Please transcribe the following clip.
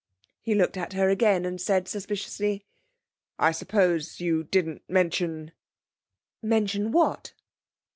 He looked at her again and said suspiciously: 'I suppose you didn't mention ' 'Mention what?'